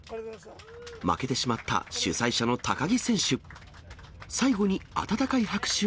負けてしまった主催者の高木選手。